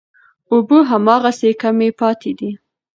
اوبه هماغسې کمې پاتې دي.